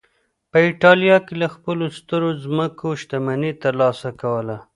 په اېټالیا کې له خپلو سترو ځمکو شتمني ترلاسه کوله